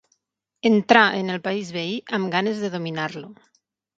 Entrà en el país veí amb ganes de dominar-lo.